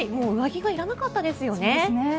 上着がいらなかったですよね。